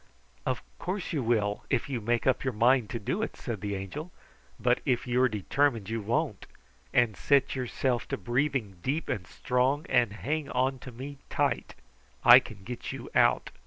"Of course you will, if you make up your mind to do it," said the Angel. "But if you are determined you won't, and set yourself to breathing deep and strong, and hang on to me tight, I can get you out.